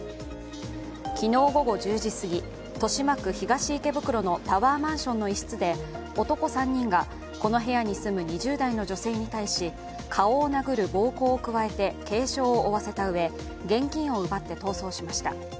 昨日午後１０時過ぎ、豊島区東池袋のタワーマンションの一室で男３人がこの部屋に住む２０代の女性に対し顔を殴る暴行を加えて軽傷を負わせたうえ、現金を奪って逃走しました。